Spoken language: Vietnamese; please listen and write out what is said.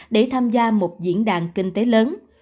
để tham gia một diễn đàn kinh tế lớn